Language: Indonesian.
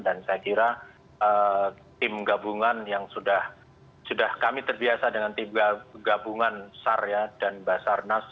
dan saya kira tim gabungan yang sudah kami terbiasa dengan tim gabungan sar dan basarnas